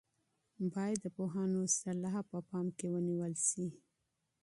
باید د پوهانو مشورې په پام کې ونیول سي.